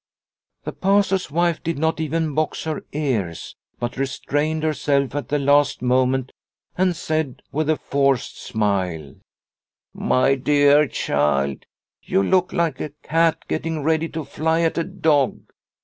The Pastor's wife did not even box her ears, but restrained herself at the last moment and said, with a forced smile :" My dear child, you look like a cat getting ready to fly at a dog.